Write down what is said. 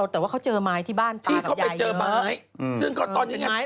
แต่ว่าเขาเจอไม้ที่บ้านตาแบบยายเยอะที่เขาไปเจอไม้